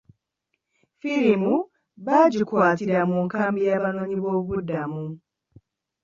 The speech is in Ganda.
Firimu baagikwatira mu nkambi y'abanoonyiboobubudamu.